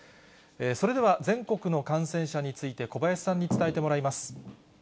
それでは、全国の感染者について小林さんに伝えてもらいます。